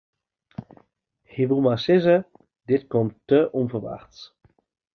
Hy woe mar sizze: dit komt te ûnferwachts.